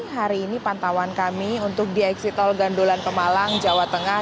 hari ini pantauan kami untuk di eksitol gandulan pemalang jawa tengah